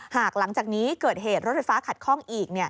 หลังจากนี้เกิดเหตุรถไฟฟ้าขัดข้องอีก